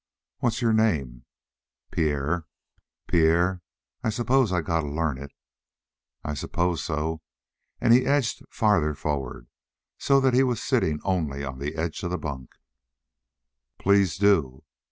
"What's your name?" "Pierre." "Pierre? I suppose I got to learn it." "I suppose so." And he edged farther forward so that he was sitting only on the edge of the bunk. "Please do."